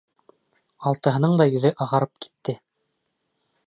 Алтыһының да йөҙө ағарып китте.